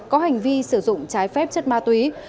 có hành vi sử dụng trái phép chất ma túy